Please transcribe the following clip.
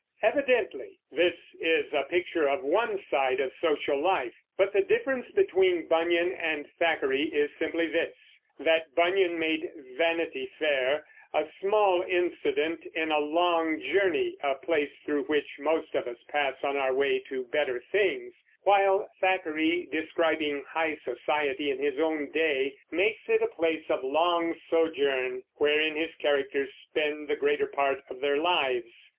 Evidently this is a picture of one side of social life; but the difference between Bunyan and Thackeray is simply this, that Bunyan made Vanity Fair a small incident in a long journey, a place through which most of us pass on our way to better things; while Thackeray, describing high society in his own day, makes it a place of long sojourn, wherein his characters spend the greater part of their lives.